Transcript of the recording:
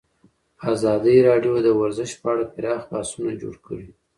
ازادي راډیو د ورزش په اړه پراخ بحثونه جوړ کړي.